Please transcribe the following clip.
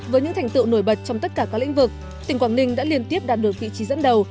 với những thành tựu nổi bật trong tất cả các lĩnh vực tỉnh quảng ninh đã liên tiếp đạt được vị trí dẫn đầu